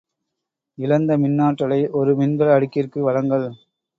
இழந்த மின்னாற்றலை ஒரு மின்கல அடுக்கிற்கு வழங்கல்.